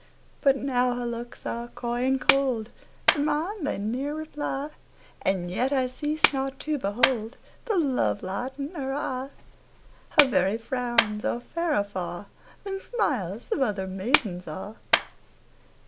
But now her looks are coy and cold, To mine they ne'er reply, And yet I cease not to behold The love light in her eye: 10 Her very frowns are fairer far Than smiles of other maidens are.